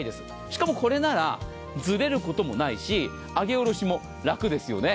しかも、これならずれることもないし上げ下ろしも楽ですよね。